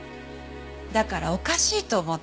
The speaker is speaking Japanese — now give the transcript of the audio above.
だからおかしいと思って。